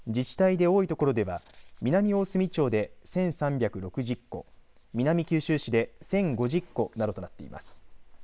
自治体で多いところでは南大隅町で１３６０戸南九州市で１０５０戸などとなっています。